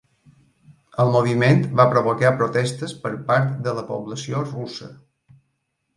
El moviment va provocar protestes per part de la població russa.